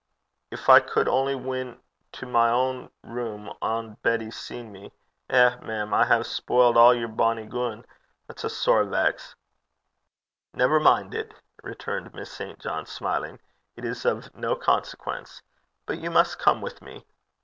'Gin I cud only win to my ain room ohn Betty seen me! Eh! mem, I hae blaudit (spoiled) a' yer bonny goon. That's a sair vex.' 'Never mind it,' returned Miss St. John, smiling. 'It is of no consequence. But you must come with me.